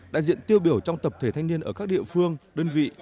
đại diện tiêu biểu trong tập thể thanh niên ở các địa phương đơn vị